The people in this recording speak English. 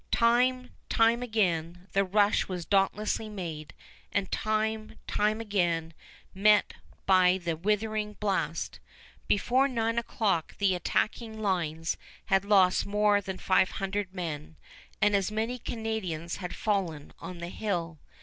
Time, time again, the rush was dauntlessly made, and time, time again met by the withering blast. Before nine o'clock the attacking lines had lost more than five hundred men, and as many Canadians had fallen on the hill.